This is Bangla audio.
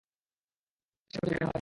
আর সেখানেও যদি জায়গা না হয়?